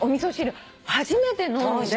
初めて飲んで。